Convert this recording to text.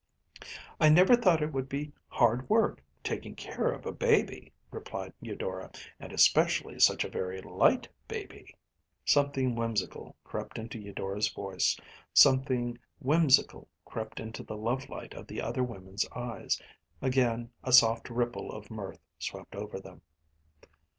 “I never thought it would be hard work taking care of a baby,‚ÄĚ replied Eudora, “and especially such a very light baby.‚ÄĚ Something whimsical crept into Eudora’s voice; something whimsical crept into the love light of the other women’s eyes. Again a soft ripple of mirth swept over them.